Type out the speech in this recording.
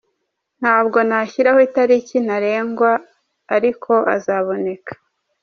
Ntabwo nashyiraho itariki ntarengwa ariko azaboneka.